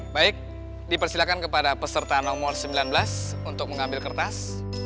baik dipersilakan kepada peserta nomor sembilan belas untuk mengambil kertas